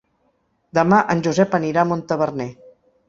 Demà en Josep anirà a Montaverner.